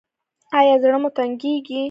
ایا زړه مو تنګیږي؟